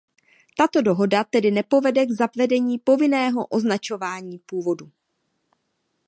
Tato dohoda tedy nepovede k zavedení povinného označování původu.